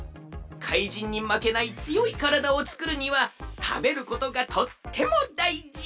かいじんにまけないつよいからだをつくるにはたべることがとってもだいじ。